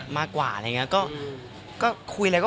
มากกว่าอะไรอย่างเงี้ยก็